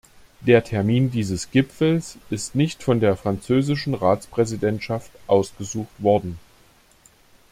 Der Termin dieses Gipfels ist nicht von der französischen Ratspräsidentschaft ausgesucht worden.